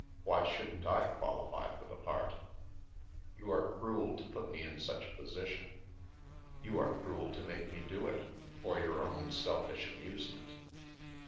Why shouldn't I qual ify for the part ?"" You are cruel to put me in such a position." " You are cruel to make me do it, for your own selfish amusement."